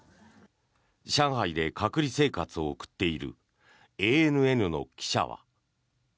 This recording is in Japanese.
上海で隔離生活を送っているＡＮＮの記者は。